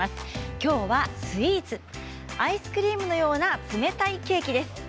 きょうはスイーツアイスクリームのような冷たいケーキです。